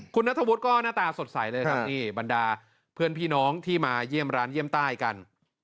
คุณนัทธวุฒิก็หน้าตาสดใสเลยครับนี่บรรดาเพื่อนพี่น้องที่มาเยี่ยมร้านเยี่ยมใต้กัน